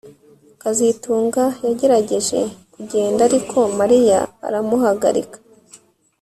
kazitunga yagerageje kugenda ariko Mariya aramuhagarika